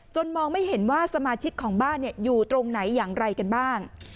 มองไม่เห็นว่าสมาชิกของบ้านอยู่ตรงไหนอย่างไรกันบ้าง